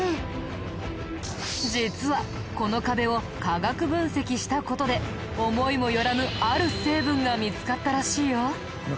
実はこの壁を科学分析した事で思いも寄らぬある成分が見つかったらしいよ。